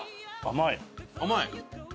甘い？